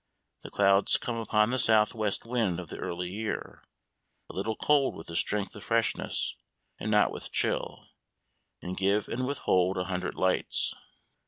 The clouds come upon the south west wind of the early year, a little cold with the strength of freshness, and not with chill, and give and withhold a hundred lights.